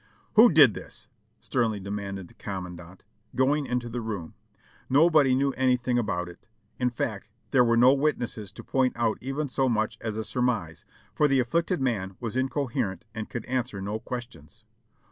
"Who did this?" sternly demanded the commandant, going into the room. Nobody knew anything about it ; in fact there were no witnesses to point out even so much as a surmise, for the afflicted man was incoherent and could answer no questions.